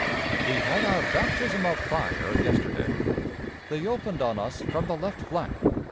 We had our baptism of fire yesterday. They opened on us from the left flank.